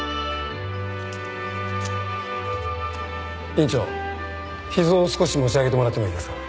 院長脾臓を少し持ち上げてもらってもいいですか？